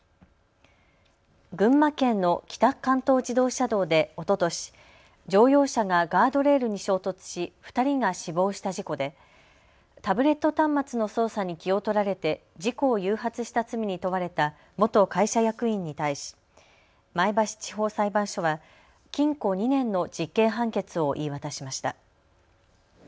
群馬県の北関東自動車道でおととし乗用車がガードレールに衝突し２人が死亡した事故でタブレット端末の操作に気を取られて事故を誘発した罪に問われた元会社役員に対し前橋地方裁判所は禁錮２年の実刑判決を言い渡しました。